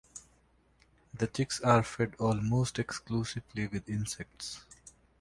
The chicks are fed almost exclusively with insects.